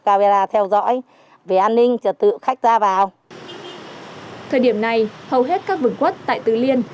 camera theo dõi về an ninh trật tự khách ra vào thời điểm này hầu hết các vườn quất tại tứ liên